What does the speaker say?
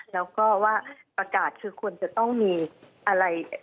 แล้วก็ว่าประกาศคือควรจะต้องมีอะไร